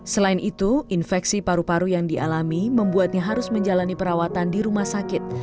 selain itu infeksi paru paru yang dialami membuatnya harus menjalani perawatan di rumah sakit